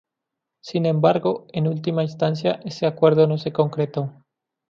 Sin embargo, en última instancia, este acuerdo no se concretó.